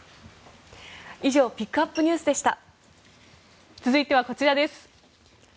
以上ピックアップＮＥＷＳでした。